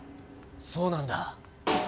そうなんだ。